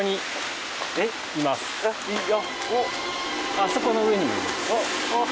あそこの上にもいる。